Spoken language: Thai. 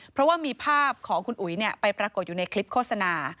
เพราะว่ามีภาพของคุณอุ๋ยไปปรากฏอยู่ในคลิปโฆษณา